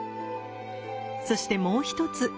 そしてもう一つ。